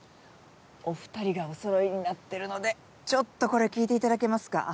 お２人がおそろいになってるのでちょっとこれ聴いていただけますか？